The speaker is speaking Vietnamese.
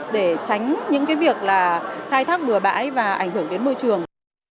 để tránh những việc là khai thác bừa bãi và ảnh hưởng đến môi trường